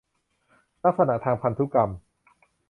ลักษณะทางพันธุกรรม